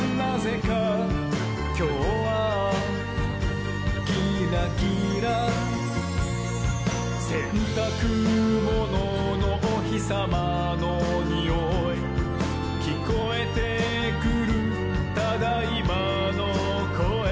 「きょうはキラキラ」「せんたくもののおひさまのにおい」「きこえてくる『ただいま』のこえ」